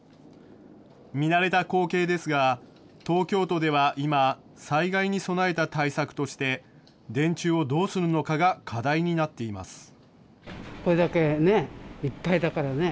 見慣れた光景ですが、東京都では今、災害に備えた対策として、電柱をどうするのかが課題になっています。